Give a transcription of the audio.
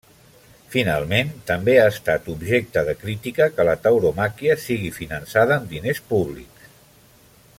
Finalment, també ha estat objecte de crítica que la tauromàquia sigui finançada amb diners públics.